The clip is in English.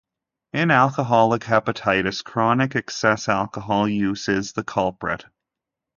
In alcoholic hepatitis, chronic excess alcohol use is the culprit.